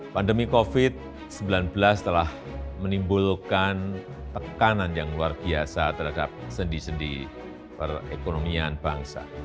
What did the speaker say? pandemi covid sembilan belas telah menimbulkan tekanan yang luar biasa terhadap sendi sendi perekonomian bangsa